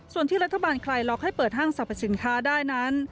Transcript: ส่วนที่รัฐบาลคลายล็อกให้เปิดห้างสรรพสินค้าได้นั้น